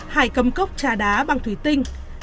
hải cầm cốc trà đá bằng thủy tinh